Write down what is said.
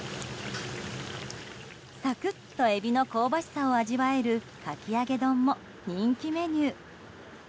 サクッとエビの香ばしさを味わえるかき揚げ丼も人気メニュー。